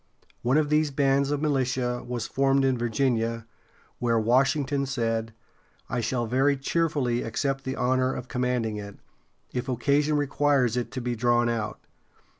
One of these bands of militia was formed in Virginia, where Washington said: "I shall very cheerfully accept the honor of commanding it, if occasion requires it to be drawn out."